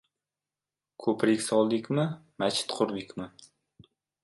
Ko‘prik soldikmi, machit qurdikmi?..